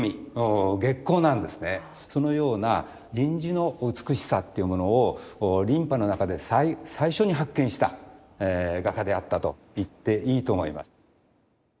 そのような銀地の美しさっていうものを琳派の中で最初に発見した画家であったといっていいと思います。